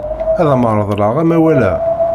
Ad am-reḍleɣ amawal-a.